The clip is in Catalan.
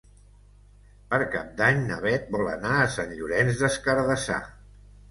Per Cap d'Any na Bet vol anar a Sant Llorenç des Cardassar.